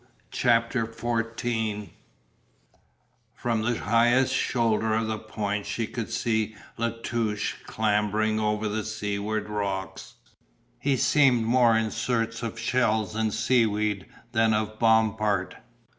CHAPTER XIV THE DEATH TRAPS From the highest shoulder of the point she could see La Touche clambering over the seaward rocks. He seemed more in search of shells and seaweed than of Bompard.